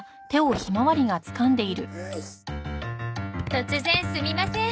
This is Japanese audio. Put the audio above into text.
突然すみません。